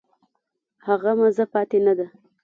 هغه مزه پاتې نه ده.